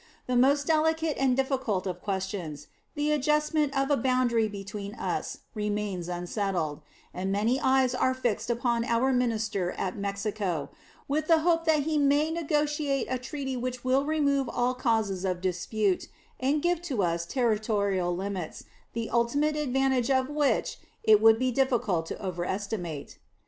The most delicate and difficult of questions, the adjustment of a boundary between us, remains unsettled; and many eyes are fixed upon our minister at Mexico, with the hope that he may negotiate a treaty which will remove all causes of dispute, and give to us territorial limits, the ultimate advantages of which it would be difficult to over estimate.